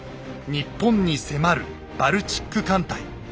日本に迫るバルチック艦隊。